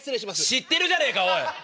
知ってるじゃねえかおい！